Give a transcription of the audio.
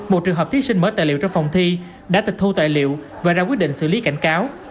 một trường hợp thí sinh mở tài liệu trong phòng thi đã tịch thu tài liệu và ra quyết định xử lý cảnh cáo